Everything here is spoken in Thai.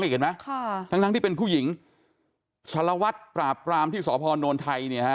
เห็นไหมค่ะทั้งทั้งที่เป็นผู้หญิงสารวัตรปราบปรามที่สพนไทยเนี่ยฮะ